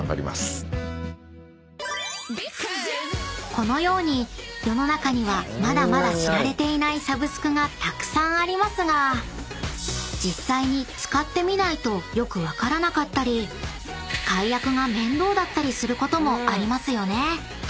［このように世の中にはまだまだ知られていないサブスクがたくさんありますが実際に使ってみないとよく分からなかったり解約が面倒だったりすることもありますよね］